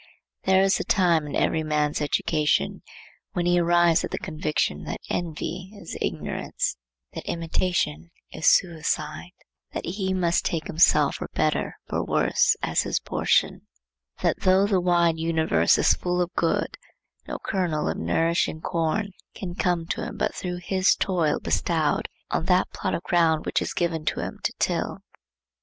There is a time in every man's education when he arrives at the conviction that envy is ignorance; that imitation is suicide; that he must take himself for better for worse as his portion; that though the wide universe is full of good, no kernel of nourishing corn can come to him but through his toil bestowed on that plot of ground which is given to him to till.